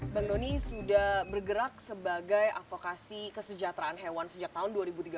bang doni sudah bergerak sebagai advokasi kesejahteraan hewan sejak tahun dua ribu tiga belas